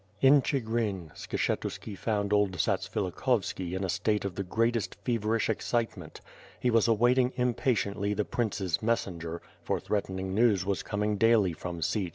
In Chigrin, Skshetuski found old Zatsvilikhovski in a state of the greatest feverish excitement, lie was awaiting im patiently the prince's messenger; for theatening news was coming daily from Sich.